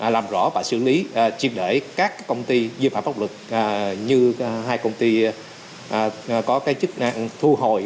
làm rõ và xử lý chiếm đẩy các công ty viên phạm pháp luật như hai công ty có cái chức năng thu hồi